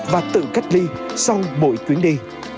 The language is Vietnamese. và tự cách ly sau mỗi chuyến đi